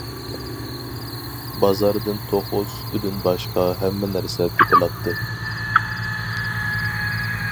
بازاردىن توخۇ سۈتىدىن باشقا ھەممە نەرسە تېپىلاتتى.